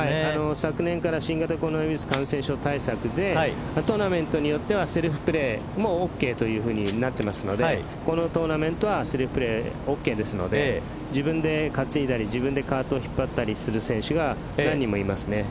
昨年から新型コロナウイルス感染症対策でトーナメントによってはセルフプレーもＯＫというふうになっていますのでこのトーナメントはセルフプレーＯＫですので自分で担いだり自分でカートを引っ張ったりする選手が何人もいますね。